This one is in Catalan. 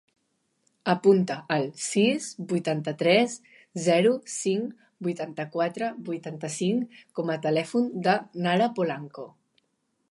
Apunta el sis, vuitanta-tres, zero, cinc, vuitanta-quatre, vuitanta-cinc com a telèfon de la Nara Polanco.